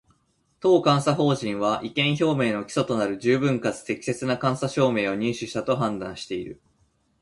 当監査法人は、意見表明の基礎となる十分かつ適切な監査証拠を入手したと判断している